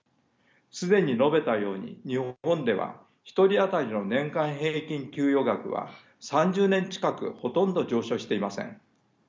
既に述べたように日本では１人当たりの年間平均給与額は３０年近くほとんど上昇していません。